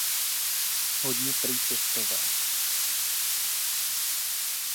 Hodně prý cestoval.